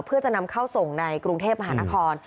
เพื่อจะนำเข้าส่งในกรุงเทพมหานคร